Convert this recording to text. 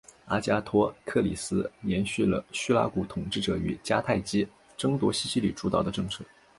阿加托克利斯延续了叙拉古统治者与迦太基争夺西西里主导的政策。